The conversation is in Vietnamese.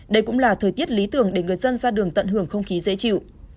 đây cũng là thời tiết lý tưởng để người dân ra đường tận hưởng không khí dễ chịu